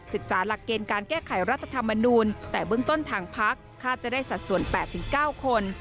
หลักเกณฑ์การแก้ไขรัฐธรรมนูลแต่เบื้องต้นทางพักคาดจะได้สัดส่วน๘๙คน